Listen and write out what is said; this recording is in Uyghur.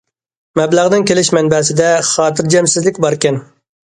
مەبلەغنىڭ كېلىش مەنبەسىدە خاتىرجەمسىزلىك باركەن.